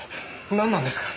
なんなんですか？